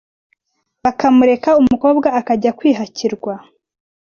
bakamureka umukobwa akajya kwihakirwa